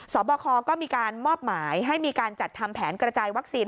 บคก็มีการมอบหมายให้มีการจัดทำแผนกระจายวัคซีน